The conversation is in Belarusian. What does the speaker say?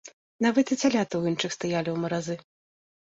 Нават і цяляты ў іншых стаялі ў маразы.